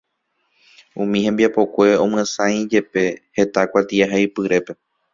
Umi hembiapokue oñemyasãijepe heta kuatiahaipyrépe.